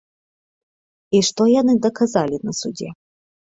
І што яны даказалі на судзе?